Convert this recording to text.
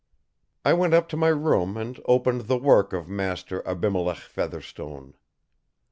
I went up to my room and opened the work of Master Abimelech Fetherstone.